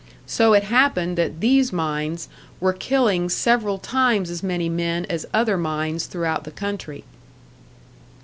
So it happened that these mines were killing several times as many men as other mines throughout the country.